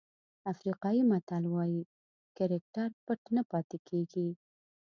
افریقایي متل وایي کرکټر پټ نه پاتې کېږي.